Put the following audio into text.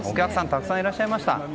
たくさんいらっしゃいました。